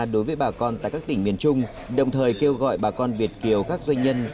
đối với bà con tại các tỉnh miền trung đồng thời kêu gọi bà con việt kiều các doanh nhân